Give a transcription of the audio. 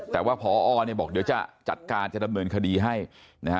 แต่ว่าพอเนี่ยบอกเดี๋ยวจะจัดการจะดำเนินคดีให้นะฮะ